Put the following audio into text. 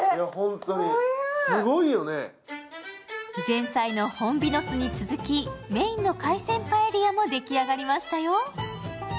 前菜のホンビノスに続き、メインの海鮮パエリアも出来上がりましたよ。